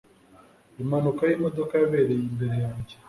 Impanuka yimodoka yabereye imbere yanjye.